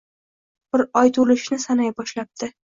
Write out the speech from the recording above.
Bir oy to`lishini sanay boshlabdi